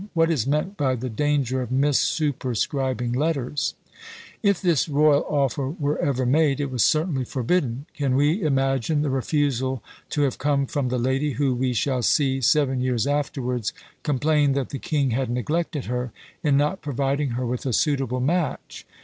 What is meant by "the danger of missuperscribing letters?" If this royal offer were ever made, it was certainly forbidden. Can we imagine the refusal to have come from the lady, who, we shall see, seven years afterwards, complained that the king had neglected her, in not providing her with a suitable match?